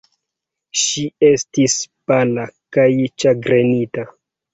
Ŝi estis pala kaj ĉagrenita.